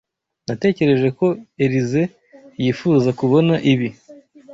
Natekereje ko Elyse yifuza kubona ibi.